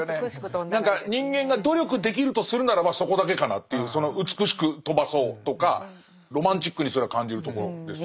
何か人間が努力できるとするならばそこだけかなっていうその美しく飛ばそうとかロマンチックにそれは感じるところです。